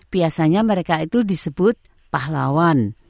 biasanya mereka itu disebut pahlawan